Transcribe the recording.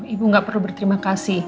ibu gak perlu berterima kasih